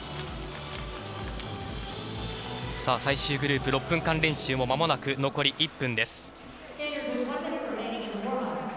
最終グループ、６分間練習もまもなく残り１分です。